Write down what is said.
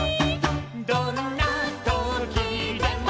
「どんなときでも」